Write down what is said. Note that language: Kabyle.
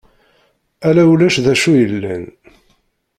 Ala ulac d acu yellan.